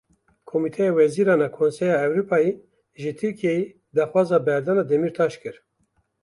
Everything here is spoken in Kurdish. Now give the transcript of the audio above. Komîteya Wezîran a Konseya Ewropayê ji Tirkiyeyê daxwaza berdana Demirtaş kir.